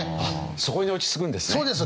そこに落ち着くんですね。